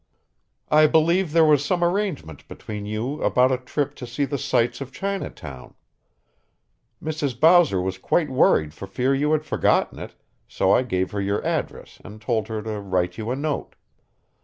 "I believe there was some arrangement between you about a trip to see the sights of Chinatown. Mrs. Bowser was quite worried for fear you had forgotten it, so I gave her your address and told her to write you a note."